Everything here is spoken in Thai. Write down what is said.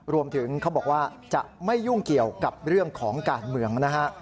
เขาบอกว่าจะไม่ยุ่งเกี่ยวกับเรื่องของการเมืองนะฮะ